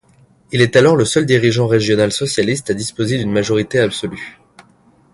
Il est alors le seul dirigeant régional socialiste à disposer d'une majorité absolue.